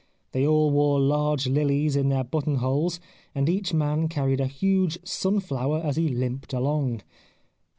They all wore large lilies in their button holes, and each man carried a huge sunflower as he limped along.